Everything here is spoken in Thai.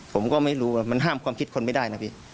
ผมก็ไม่รู้มันห้ามความคิดคนไม่ได้นะพี่